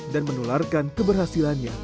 dan menularkan keberhasilannya